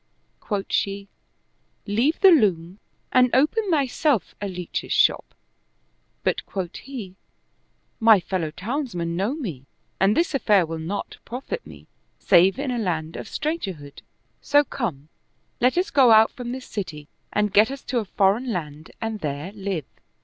Quoth she, " Leave the loom and open thyself a leach's shop "; but quoth he, " My fellow townsmen know me and this affair will not profit me, save in a land of stranger hood; so come, let us go out from this city and get us to a foreign land and there live."